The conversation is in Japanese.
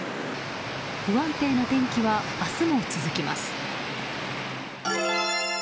不安定な天気は明日も続きます。